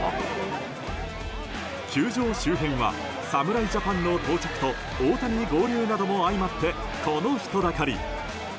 球場周辺は侍ジャパンの到着と大谷合流なども相まってこの人だかり。